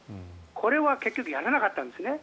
これは結局やらなかったんですね。